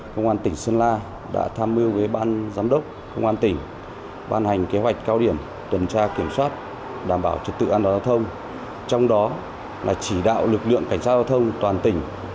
phòng cảnh sát giao thông công an tỉnh sơn la đã tham mưu với ban giám đốc công an tỉnh